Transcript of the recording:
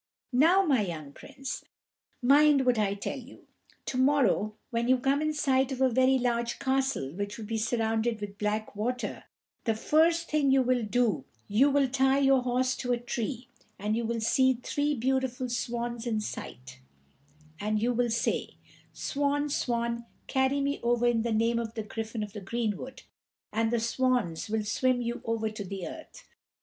Now, my young prince, mind what I tell you. To morrow, when you come in sight of a very large castle, which will be surrounded with black water, the first thing you will do you will tie your horse to a tree, and you will see three beautiful swans in sight, and you will say, 'Swan, swan, carry me over in the name of the Griffin of the Greenwood,' and the swans will swim you over to the earth.